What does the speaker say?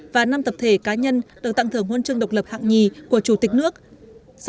và năm tập thể cá nhân được tặng thưởng huân chương độc lập hạng nhì của chủ tịch nước